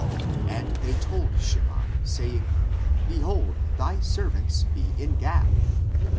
And they told Shimei, saying, behold thy servants be in Gath.